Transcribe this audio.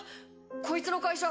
こいつの会社